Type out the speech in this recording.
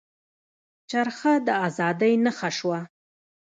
چرخه د ازادۍ نښه شوه.